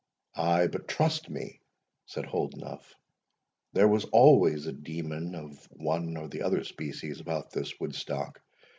"Ay, but trust me," said Holdenough, "there was always a demon of one or the other species about this Woodstock.